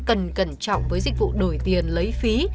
cần cẩn trọng với dịch vụ đổi tiền lấy phí